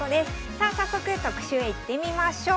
さあ早速特集いってみましょう。